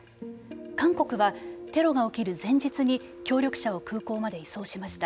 韓国はテロが起きる前日に協力者を空港まで移送しました。